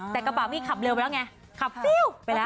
แต่กระบะมี่ขับเร็วไปแล้วไงขับฟิวไปแล้ว